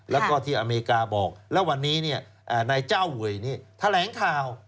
แล้วก็ที่อเมริกาบอกแล้ววันนี้นายเจ้าเวยนี่แถลงข่าว